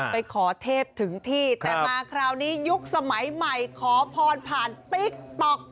ไปขอเทพถึงที่แต่มาคราวนี้ยุคสมัยใหม่ขอพรผ่านติ๊กต๊อก